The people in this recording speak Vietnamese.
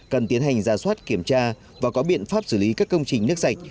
cần tiến hành ra soát kiểm tra và có biện pháp xử lý các công trình nước sạch